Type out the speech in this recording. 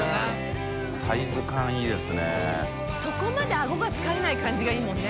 そこまで顎が疲れない感じがいいもんね。